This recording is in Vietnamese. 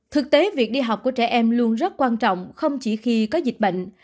thực tế việc đi học của trẻ em luôn rất quan trọng không chỉ khi có dịch bệnh